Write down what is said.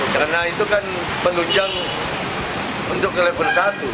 karena itu kan penunjang untuk ke level satu